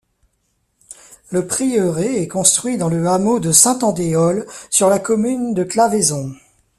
Le prieuré est construit dans le hameau de Saint-Andéol, sur la commune de Claveyson.